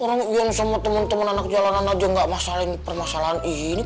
orang yang sama temen temen anak jalanan aja gak masalahin permasalahan ini